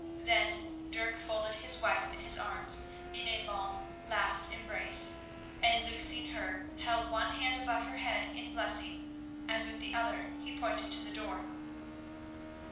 Then Dirk folded his wife in his arms in a long, last embrace, and, loosing her, held one hand above her head in blessing, as with the other he pointed to the door.